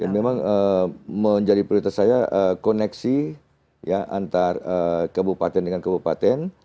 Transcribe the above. memang menjadi prioritas saya koneksi antar kebupaten dengan kebupaten